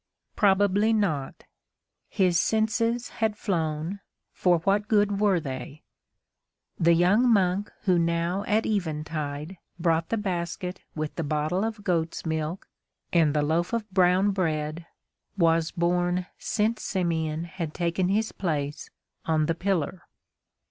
Probably not. His senses had flown, for what good were they! The young monk who now at eventide brought the basket with the bottle of goat's milk and the loaf of brown bread was born since Simeon had taken his place on the pillar.